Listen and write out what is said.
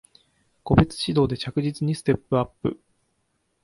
個別指導で着実にステップアップ